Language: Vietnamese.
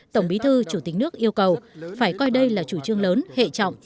tổng bí thư chủ tịch nước yêu cầu phải coi đây là chủ trương lớn hệ trọng